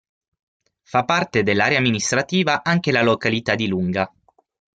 Fa parte dell'area amministrativa anche la località di Lunga.